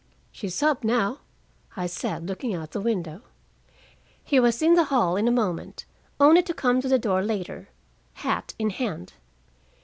"She's up now," I said, looking out the window. He was in the hall in a moment, only to come to the door later, hat in hand.